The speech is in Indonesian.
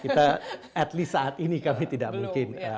kita at least saat ini kami tidak mungkin